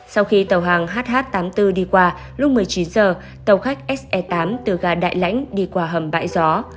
sau khi tàu hàng hh tám mươi bốn đi qua lúc một mươi chín h tàu khách se tám từ gà đại lãnh đi qua hầm bãi gió